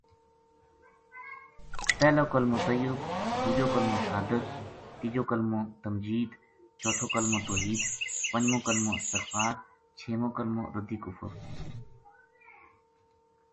پہلوکلمو طییب، دوجو کلمو شہادت، تیجو کملو تمجید، چوتھو کملو توحید، پنجمو کلمو استغفار، چھیمو کلمو رد کفر